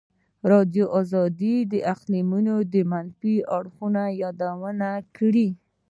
ازادي راډیو د اقلیتونه د منفي اړخونو یادونه کړې.